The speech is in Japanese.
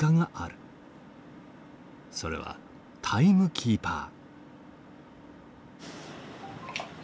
それはタイムキーパー。